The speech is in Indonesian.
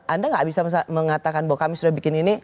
anda nggak bisa mengatakan bahwa kami sudah bikin ini